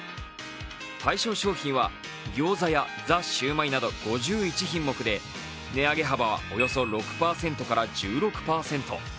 対象商品はギョーザやザ★シュウマイなど５１品目で、値上げ幅はおよそ６％から１６％。